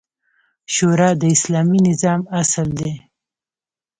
شورا د اسلامي نظام اصل دی